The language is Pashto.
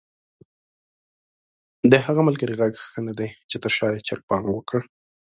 د هغه ملګري ږغ ښه ندی چې تر شا ېې چرګ بانګ وکړ؟!